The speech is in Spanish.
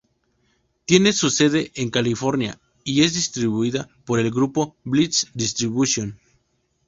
Tiene su sede en California y es distribuida por el grupo Blitz Distribution.